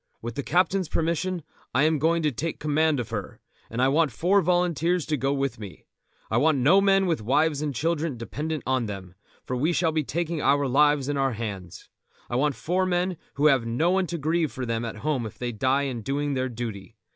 With the captain's permission I am going to take command of her, and I want four volunteers to go with me. I want no men with wives and children dependent upon them, for we shall be taking our lives in our hands. I want four men who have no one to grieve for them at home if they die in doing their duty.